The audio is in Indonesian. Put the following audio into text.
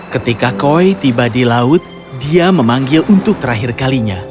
ketika koi tiba di laut dia memanggil untuk terakhir kalinya